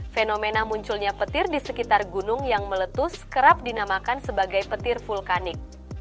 fenomena munculnya petir di sekitar gunung yang meletus kerap dinamakan sebagai petir vulkanik